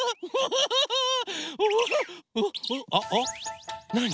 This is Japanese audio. あっなに？